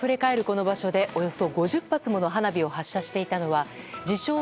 この場所でおよそ５０発もの花火を発射していたのは自称